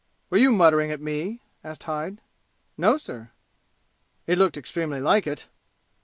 "Were you muttering at me?" asked Hyde. "No, sir." "It looked extremely like it!"